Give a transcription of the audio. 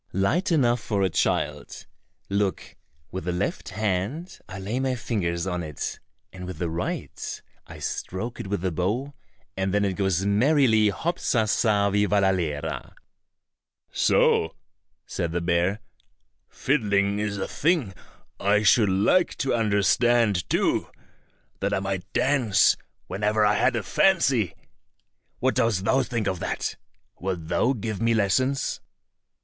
"Light enough for a child. Look, with the left hand I lay my fingers on it, and with the right I stroke it with the bow, and then it goes merrily, hop sa sa vivallalera!" "So," said the bear; "fiddling is a thing I should like to understand too, that I might dance whenever I had a fancy. What dost thou think of that? Wilt thou give me lessons?"